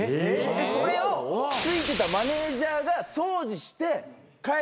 それを付いてたマネジャーが掃除して帰るんですよ。